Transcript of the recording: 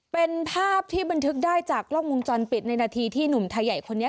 เป็นภาพที่บันทึกได้จากกล้องวงจรปิดในนาทีที่หนุ่มไทยใหญ่คนนี้